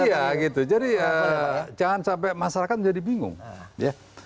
iya gitu jadi jangan sampai masyarakat menjadi bingung ya